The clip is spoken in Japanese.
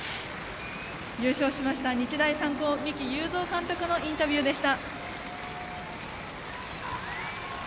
優勝しました日大三高、三木有造監督のインタビューでした。